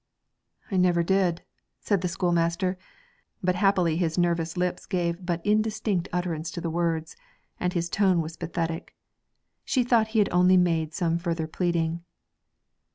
'I never did,' said the schoolmaster; but happily his nervous lips gave but indistinct utterance to the words, and his tone was pathetic. She thought he had only made some further pleading.